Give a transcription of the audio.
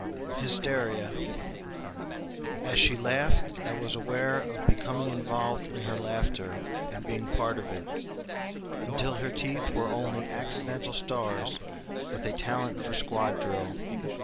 Hysteria As she laughed I was aware of becoming involved in her laughter and being part of it, until her teeth were only accidental stars with a talent for squad drill.